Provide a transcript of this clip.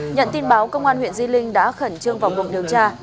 nhận tin báo công an huyện di linh đã khẩn trương vào cuộc điều tra